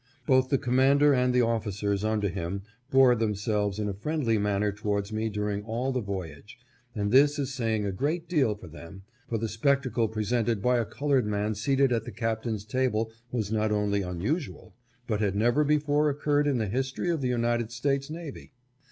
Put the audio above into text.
Both the commander and the officers under him bore themselves in a friendly manner towards me during all the voyage ; and this is saying a great thing for them, for the spectacle presented by a colored man seated at the captain's table was not only unusual, but had never before occurred in the history of the United States navy.